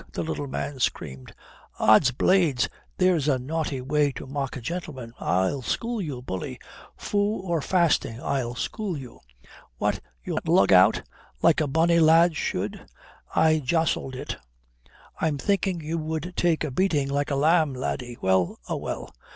the little man screamed. "Ods blades, there's a naughty way to mock a gentleman. I'll school you, bully; fou or fasting, I'll school you. What, you'll not lug out, like a bonny lad should? I jaloused it. I'm thinking you would take a beating like a lamb, laddie. Well a well.